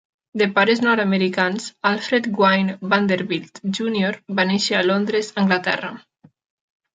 De pares nord-americans, Alfred Gwynne Vanderbilt, Junior va néixer a Londres, Anglaterra.